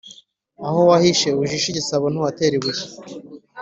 Aho wahishe (ujishe) igisabo, ntuhatera ibuye.